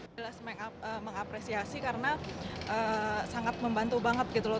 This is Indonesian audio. jelas mengapresiasi karena sangat membantu banget gitu loh